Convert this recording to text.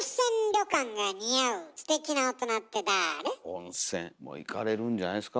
温泉行かれるんじゃないですか？